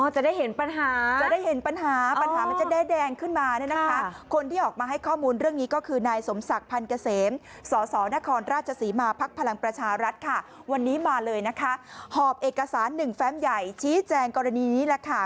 อ๋อจะได้เห็นปัญหาจะได้เห็นปัญหาปัญหามันจะได้แดงขึ้นมาเนี่ยนะคะ